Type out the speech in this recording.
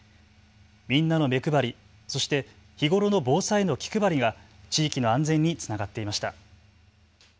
みんなの目配り、そして日頃の防災への気配りが地域の安全につながっていました。